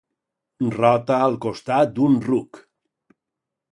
Rota al costat d'un ruc.